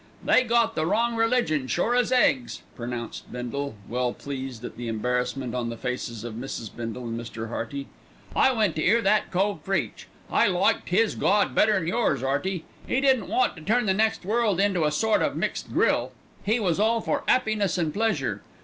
"They got the wrong religion, sure as eggs," pronounced Bindle, well pleased at the embarrassment on the faces of Mrs. Bindle and Mr. Hearty. "I went to 'ear that cove preach. I liked 'is Gawd better'n yours, 'Earty. 'E didn't want to turn the next world into a sort of mixed grill. He was all for 'appiness and pleasure.